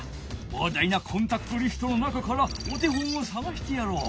ぼうだいなコンタクトリストの中からお手本をさがしてやろう。